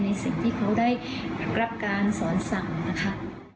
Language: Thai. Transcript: ในสิ่งที่เขาได้รับการสอนสั่งนะคะ